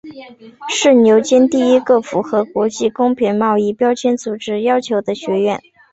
是牛津第一个符合国际公平贸易标签组织要求的学院。